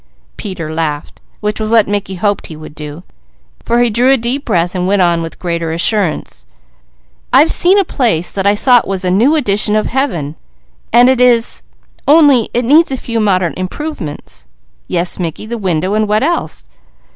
Peter laughed, which was what Mickey hoped he would do, for he drew a deep breath and went on with greater assurance: "I've seen a place that I thought was a new edition of Heaven, and it is, only it needs a few modern improvements " "Yes Mickey! The window, and what else?"